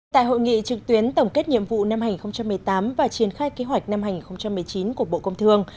tại hội nghị trực tuyến tổng kết nhiệm vụ năm hai nghìn một mươi tám và triển khai kế hoạch năm hai nghìn một mươi chín của bộ công thương